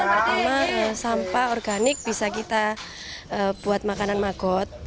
pertama sampah organik bisa kita buat makanan magot